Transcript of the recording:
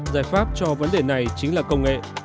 giải pháp cho vấn đề này chính là công nghệ